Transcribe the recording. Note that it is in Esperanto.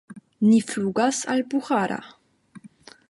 Ni flugas al Buĥara.